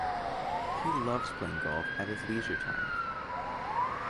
He loved playing golf at his leisure times.